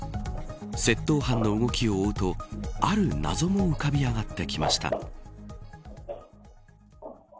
窃盗犯の動きを追うとある謎も浮かび上がってきました。